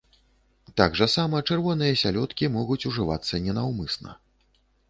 Так жа сама чырвоныя сялёдкі могуць ужывацца ненаўмысна.